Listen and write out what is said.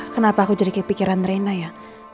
kenapa aku jadi kepikiran reina ya